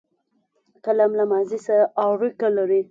قلم له ماضي سره اړیکه لري